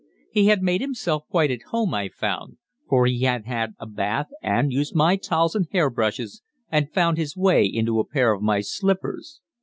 He had made himself quite at home, I found, for he had had a bath and used my towels and hair brushes and found his way into a pair of my slippers.